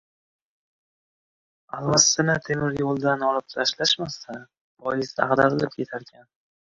Alvastini temir yo‘ldan olib tashlashmasa, poyezd ag‘darilib ketarkan.